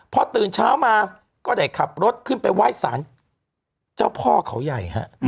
พอตื่นเช้ามาก็ได้ขับรถขึ้นไปไหว้สารเจ้าพ่อเขาใหญ่ฮะ